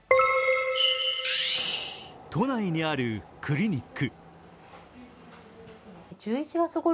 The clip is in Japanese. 都内にあるクリニック。